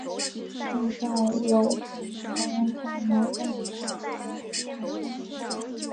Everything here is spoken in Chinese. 现在有从甲南分歧而出的台中港线。